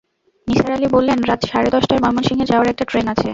নিসার আলি বললেন, রাত সাড়ে দশটায় ময়মনসিংহে যাওয়ার একটা ট্রেন আছে।